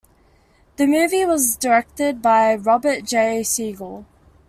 The movie was directed by Robert J. Siegel.